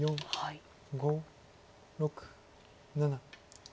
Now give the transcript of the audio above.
５６７。